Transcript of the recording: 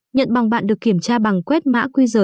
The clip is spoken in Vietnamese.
nhận bằng bạn được kiểm tra bằng quét mã quy dở